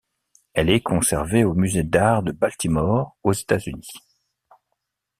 Elle est conservée au musée d'art de Baltimore, aux États-Unis.